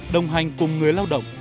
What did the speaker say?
đồng hành cùng người lao động